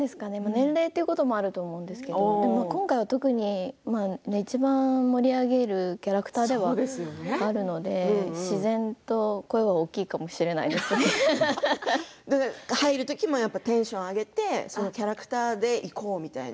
年齢ということもあると思うんですけれども今回特にいちばん盛り上げるキャラクターでもあるので自然と声が入る時もテンションを上げてそのキャラクターでいこうみたいな。